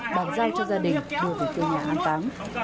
bàn giao cho gia đình đưa về cơ nhà hành táng